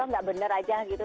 gak benar aja gitu